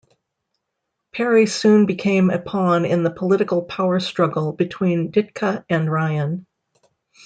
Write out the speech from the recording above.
Perry soon became a pawn in the political power struggle between Ditka and Ryan.